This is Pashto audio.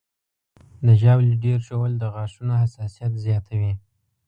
د ژاولې ډېر ژوول د غاښونو حساسیت زیاتوي.